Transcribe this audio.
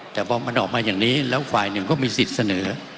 แต่พอมันออกมาอย่างนี้แล้วฝ่ายหนึ่งก็มีสิทธิ์เสนอ